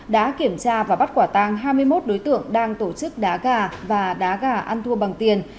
đã kiểm tra và bắt quả tang hai mươi một đối tượng đang tổ chức đá gà và đá gà ăn thua bằng tiền